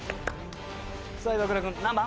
さあ岩倉君何番？